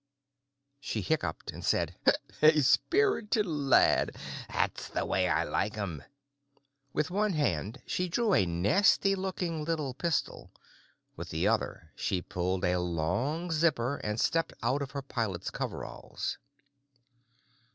She hiccupped and said, "A spirited lad. That's the way I like 'em." With one hand she drew a nasty looking little pistol. With the other she pulled a long zipper and stepped out of her pilot's coveralls.